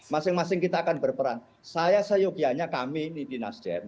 masing masing kita akan berperan saya seyogianya kami ini di nasdem